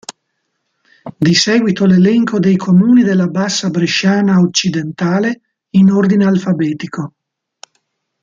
Di seguito l'elenco dei comuni della Bassa Bresciana occidentale in ordine alfabetico.